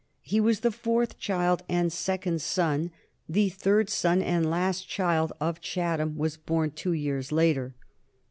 He was the fourth child and second son; the third son and last child of Chatham was born two years later.